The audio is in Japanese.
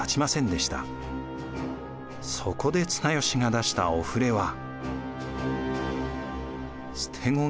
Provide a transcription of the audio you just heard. そこで綱吉が出したおふれは。